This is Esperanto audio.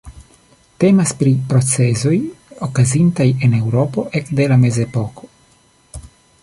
Temas pri procezoj okazintaj en Eŭropo ekde la mezepoko.